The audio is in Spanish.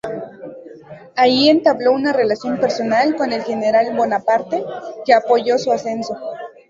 Allí entabló una relación personal con el general Bonaparte, que apoyó su ascenso.